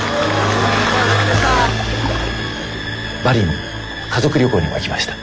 バリに家族旅行にも行きました。